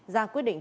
ra quyết định